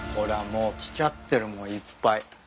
もう来ちゃってるもんいっぱい。